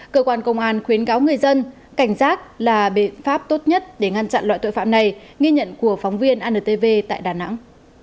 cảnh giác là biện pháp tốt nhất để ngăn chặn loại tội phạm này nghi nhận của phóng viên antv tại đà nẵng